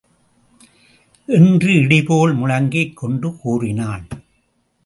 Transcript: என்று இடிபோல் முழங்கிக் கொண்டு கூறினான்.